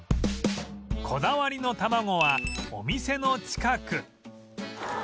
こだわりの卵はお店の近く